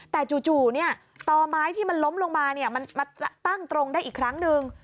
แต่จู่ต่อไม้ที่มันล้มลงมามันมาตั้งตรงได้อีกครั้งหนึ่ง